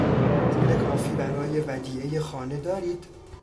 پول کافی برای ودیعهی خانه دارید؟